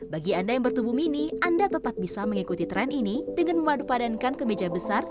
bagi anda yang bertubuh mini anda tetap bisa mengikuti tren ini dengan memadupadankan kemeja besar